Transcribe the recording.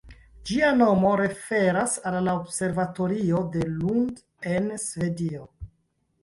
Ĝia nomo referas al la Observatorio de Lund en Svedio.